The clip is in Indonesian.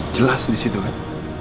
jelas disitu kan